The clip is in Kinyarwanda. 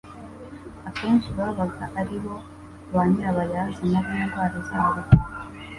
akenshi babaga aribo ba nyirabayazana b'indwara zabo;